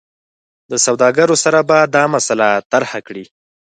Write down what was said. له سوداګرو سره به دا مسله طرحه کړي.